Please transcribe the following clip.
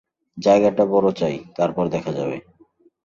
জায়গাটা বড় চাই, তারপর দেখা যাবে।